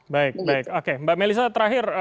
baik baik oke mbak melisa terakhir